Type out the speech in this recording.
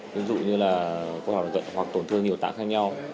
ví dụ như là tổn thương nhiều tạng khác nhau